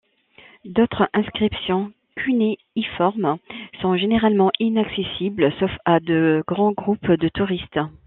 D'autres inscriptions cunéiformes sont généralement inaccessibles, sauf à de grands groupes de touristes.